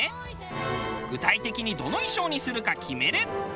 具体的にどの衣装にするか決める。